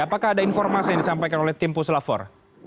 apakah ada informasi yang disampaikan oleh tim puslavor